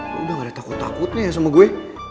lo udah gak ada takut takutnya sama gue